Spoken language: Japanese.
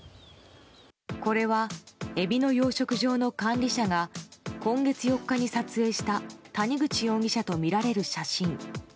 これはエビの養殖場の管理者が今月４日に撮影した谷口容疑者とみられる写真。